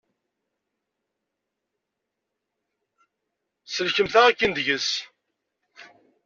Sellkemt-aɣ akin deg-s.